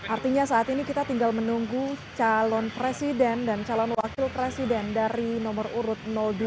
artinya saat ini kita tinggal menunggu calon presiden dan calon wakil presiden dari nomor urut dua